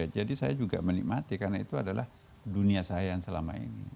jadi saya juga menikmati karena itu adalah dunia saya yang selama ini